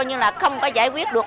mà cũng không có giải quyết được